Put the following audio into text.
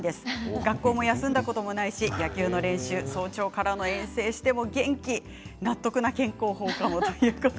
学校も休んだことないし野球の練習、早朝からの遠征しても元気納得の健康法かも。